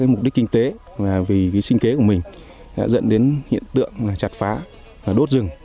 mục đích kinh tế vì sinh kế của mình dẫn đến hiện tượng chặt phá đốt rừng